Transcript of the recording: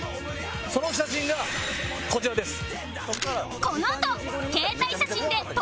その写真がこちらです。